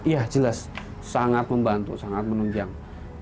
iya jelas sangat membantu sangat menunjang